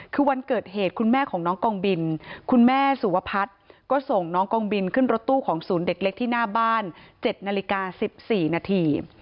คือวันเกิดเหตุคุณแม่ของน้องกองบินคุณแม่สุวพัฒน์ก็ส่งน้องกองบินขึ้นรถตู้ของศูนย์เด็กเล็กที่หน้าบ้าน๗นาฬิกา๑๔นาที